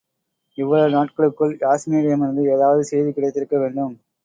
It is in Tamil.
இவ்வளவு நாட்களுக்குள் யாஸ்மியிடமிருந்து ஏதாவது செய்தி கிடைத்திருக்க வேண்டும்.